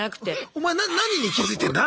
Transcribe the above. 「お前何に気付いてんだ？」